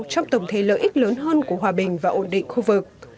trong tổng thể lợi ích lớn hơn của hòa bình và ổn định khu vực